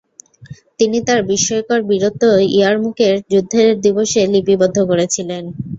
তিনি তাঁর বিস্ময়কর বীরত্ব ইয়ারমুকের যুদ্ধের দিবসে লিপিবদ্ধ করেছিলেন।